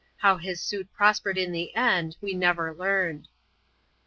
How his suit prospered in the end, we never learned.